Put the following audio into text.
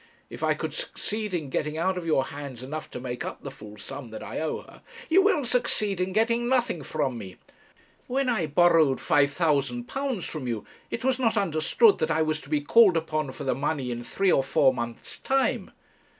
If I could succeed in getting out of your hands enough to make up the full sum that I owe her ' 'You will succeed in getting nothing from me. When I borrowed £5,000 from you, it was not understood that I was to be called upon for the money in three or four months' time.'